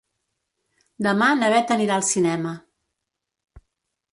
Demà na Beth anirà al cinema.